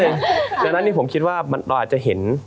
ขีงนิดนึงดังนั้นผมคิดว่าเราอาจจะเห็น